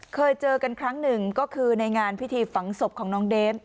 เคยเจอกันครั้งหนึ่งก็คือในงานพิธีฝังศพของน้องเดฟ